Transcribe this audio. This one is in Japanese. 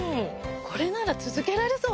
これなら続けられそう！